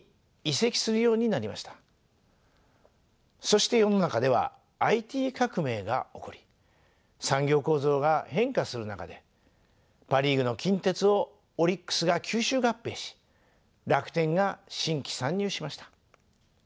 そして世の中ではＩＴ革命が起こり産業構造が変化する中でパ・リーグの近鉄をオリックスが吸収合併し楽天が新規参入しました。